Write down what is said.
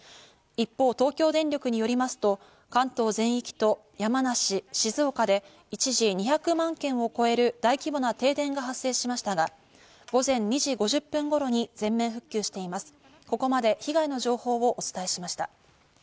一方、東京電力によりますと関東全域と山梨、静岡で一時、２００万軒を超える大規模な停電が発生しましたが、午前２時５０分頃に全面復旧しています。